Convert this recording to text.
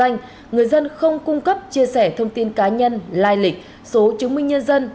người dân không cung cấp chia sẻ thông tin cá nhân lai lịch số chứng minh nhân dân